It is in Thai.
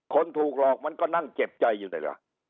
คนถูกหลอกมันก็นั่งเจ็บใจอยู่เลยล่ะ